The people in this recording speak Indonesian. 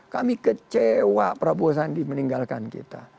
kami kecewa prabowo sandi meninggalkan kita